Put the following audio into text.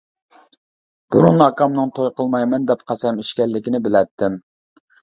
بۇرۇن ئاكامنىڭ توي قىلمايمەن دەپ قەسەم ئىچكەنلىكىنى بىلەتتىم.